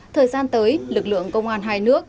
thời gian tới lực lượng công an hai nước